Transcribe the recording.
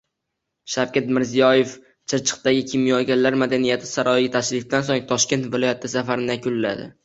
Shavkat Mirziyoyev Chirchiqdagi Kimyogarlar madaniyat saroyiga tashrifidan so‘ng Toshkent viloyatiga safarini yakunladi